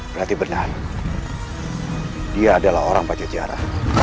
berarti benar dia adalah orang pajajaran